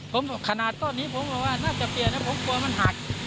ผมบอกขนาดต้นนี้ผมบอกว่าน่าจะเปลี่ยนนะผมกลัวมันหัก